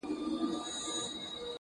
• مخ یې ونیوۍ د لیري وطن لورته ,